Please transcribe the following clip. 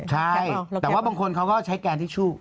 ใช่แต่ว่าบางคนเขาก็ใช้แกนทิชชู่